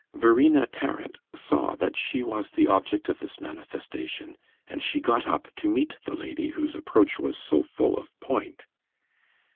Verena Tarrant saw that she was the object of this manifestation, and she got up to meet the lady whose approach was so full of point.